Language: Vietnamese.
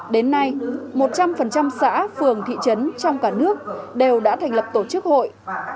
đến nay một trăm linh xã phường thị trấn trong cả nước đều đã thành lập tổ chức hội